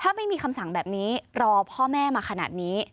ถ้าไม่มีคำสั่งแบบนี้รอพ่อแม่มาขนาดนี้